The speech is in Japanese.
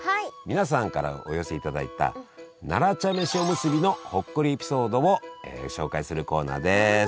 皆さんからお寄せいただいた奈良茶飯おむすびのほっこりエピソードを紹介するコーナーです。